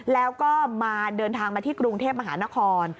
แล้วก็มาเดินทางมาที่กรุงเทพมหานคร